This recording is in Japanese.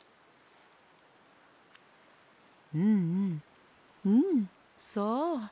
うんうんうんそう。